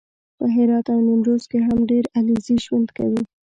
په هرات او نیمروز کې هم ډېر علیزي ژوند کوي